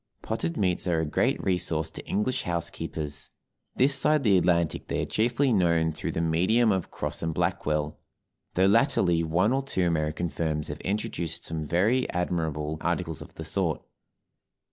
Potted meats are a great resource to English housekeepers; this side the Atlantic they are chiefly known through the medium of Cross & Blackwell, though latterly one or two American firms have introduced some very admirable articles of the sort.